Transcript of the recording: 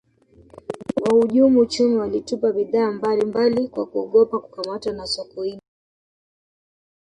wahujumu uchumi walitupa bidhaa mbali mbali kwa kuogopa kukamatwa na sokoine